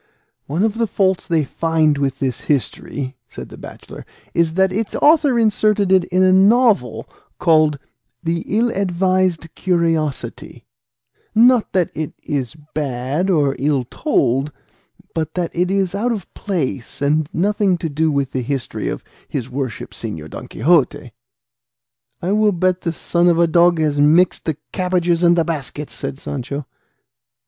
"One of the faults they find with this history," said the bachelor, "is that its author inserted in it a novel called 'The Ill advised Curiosity;' not that it is bad or ill told, but that it is out of place and has nothing to do with the history of his worship Señor Don Quixote." "I will bet the son of a dog has mixed the cabbages and the baskets," said Sancho.